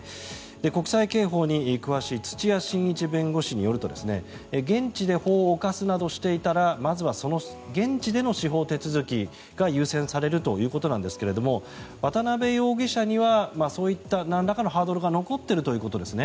国際刑法に詳しい土屋眞一弁護士によると現地で法を犯すなどしていたらまずはその現地での司法手続きが優先されるということなんですが渡邉容疑者にはそういったなんらかのハードルが残っているということですね。